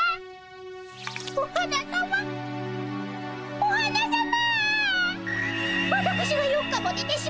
お花さま。